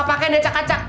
pakain aja cak cak